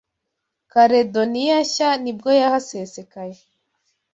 Caledoniya Nshya nibwo yahasesekaye